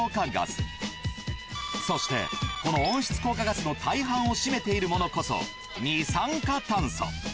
そしてこの温室効果ガスの大半を占めているものこそ二酸化炭素。